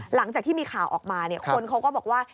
หลังจากที่มีข่าวออกมาคนเขาก็บอกว่า